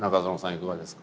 いかがですか？